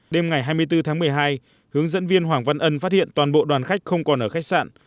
đêm ngày hai mươi bốn tháng một mươi hai hướng dẫn viên hoàng văn ân phát hiện toàn bộ đoàn khách không còn ở khách sạn